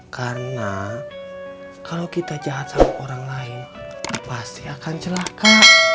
karena kalau kita jahat sama orang lain pasti akan celaka